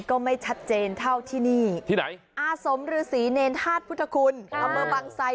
ก็ไม่ชัดเจนเท่าที่นี่ที่ไหนอาสมฤษีเนรธาตุพุทธคุณอำเภอบางไซ